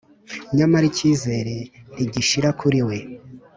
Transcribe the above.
Nyamara ikizere ntigishira kuri we